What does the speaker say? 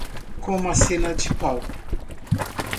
Como uma cena de palco